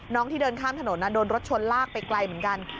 ที่เดินข้ามถนนโดนรถชนลากไปไกลเหมือนกัน